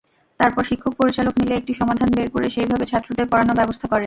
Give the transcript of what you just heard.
তারপর শিক্ষক-পরিচালক মিলে একটি সমাধান বের করে সেইভাবে ছাত্রদের পড়ানোর ব্যবস্থা করেন।